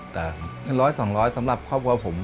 แต่ร้อยส่องร้อยสำหรับครอบครัวผม